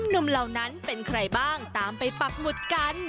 เหล่านั้นเป็นใครบ้างตามไปปักหมุดกัน